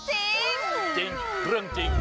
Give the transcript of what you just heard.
จริงเรื่องจริง